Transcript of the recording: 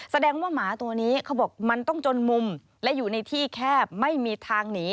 แสดงว่าหมาตัวนี้เขาบอกมันต้องจนมุมและอยู่ในที่แคบไม่มีทางหนี